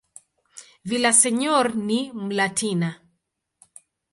Villaseñor ni "Mlatina".